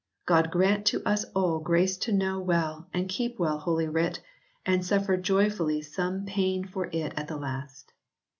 God grant to us all grace to know well and keep well Holy Writ, and suffer joyfully some pain for it at the last